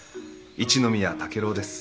一ノ宮竹郎です。